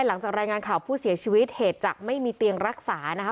หลังจากรายงานข่าวผู้เสียชีวิตเหตุจากไม่มีเตียงรักษานะคะ